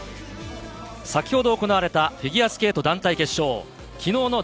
先ほど行われたフィギュアスケート団体決勝。